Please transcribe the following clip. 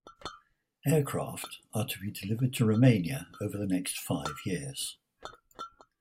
Aircraft are to be delivered to Romania over the next five years.